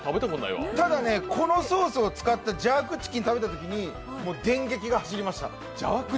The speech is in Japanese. ただね、このソースを使ったジャークチキン食べたときに電撃が走りました。